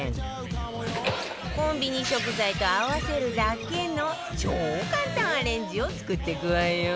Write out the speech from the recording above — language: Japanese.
コンビニ食材と合わせるだけの超簡単アレンジを作っていくわよ